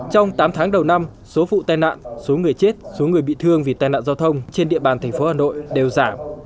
trong tám tháng đầu năm số phụ tai nạn số người chết số người bị thương vì tai nạn giao thông trên địa bàn tp hà nội đều giảm